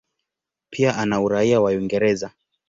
Pia ana uraia wa Uingereza.